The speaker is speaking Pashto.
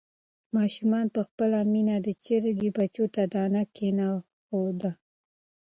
ماشوم په خپله مینه د چرګې بچیو ته دانه کېښوده.